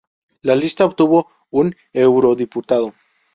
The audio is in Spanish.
La lista obtuvo un eurodiputado.